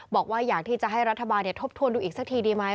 บอกว่าอยากที่จะให้รัฐบาลทบทวนดูอีกสักทีดีไหม